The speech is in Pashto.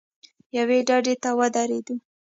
یوې ډډې ته ودرېدو.